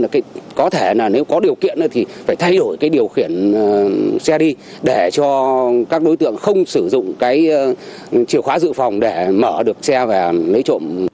có thể là nếu có điều kiện thì phải thay đổi cái điều khiển xe đi để cho các đối tượng không sử dụng cái chiều khóa dự phòng để mở được xe về lấy trộm